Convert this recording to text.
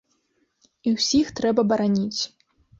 І ўсіх трэба бараніць.